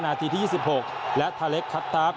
นาทีที่๒๖และทาเล็กคัตตาร์ฟ